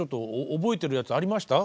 覚えてるやつありました？